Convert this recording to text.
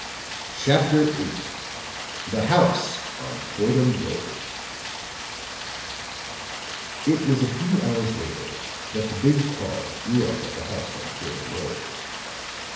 CHAPTER VIII THE HOUSE ON FORDHAM ROAD It was a few hours later that the big car drew up at the house on Fordham Road.